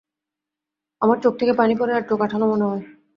আমার চোখ থেকে পানি পরে আর চোখ আঠালো মনে হয়।